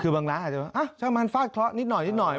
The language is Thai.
คือบางร้านอาจจะว่าประมาณฟาดเคราะห์นิดหน่อย